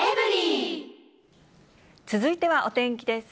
続いてはお天気です。